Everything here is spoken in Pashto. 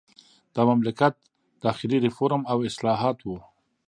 د مملکت داخلي ریفورم او اصلاحات وو.